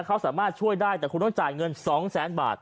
เขาสามารถช่วยได้แต่คุณต้องจ่ายเงิน๒แสนบาท